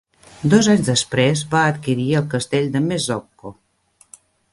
Dos anys després va adquirir el castell de Mesocco.